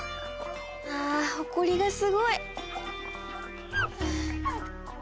あほこりがすごい。